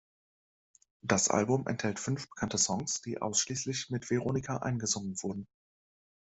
Das Album enthält fünf bekannte Songs, die ausschließlich mit Veronica eingesungen wurden.